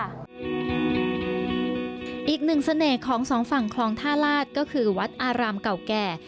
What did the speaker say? อีกหนึ่งเสน่ห์ของสองฝั่งคลองท่าลาศก็คือวัดอารามเก่าแก่